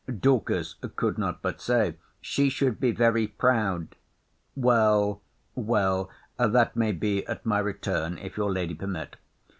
Dorcas could not but say, She should be very proud— Well, well, that may be at my return, if your lady permit.